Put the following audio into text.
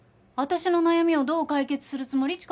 私の悩みをどう解決するつもり？